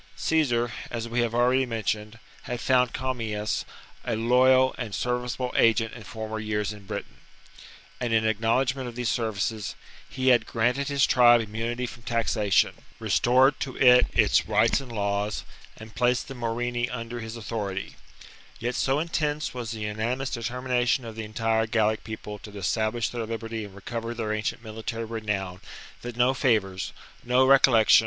Caesar, as we have already mentioned, had found Commius a loyal and serviceable agent in former years in Britain ; and, in acknowledgment of these services, he had granted his tribe im munity from taxation, restored to it its rights and laws, and placed the Morini under his authority. Yet so intense was the unanimous determination of the entire Gallic people to establish their liberty and recover their ancient military renown that no favours, no recollection 1 I accept the reading of the a Af^^.— (suum numerum non) com pleverunt. 'f 266 THE REBELLION book | 52 B.C.